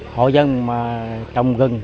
hộ dân mà trồng rừng